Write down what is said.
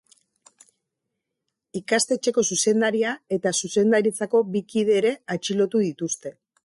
Ikastetxeko zuzendaria eta zuzendaritzako bi kide ere atxilotu dituzte.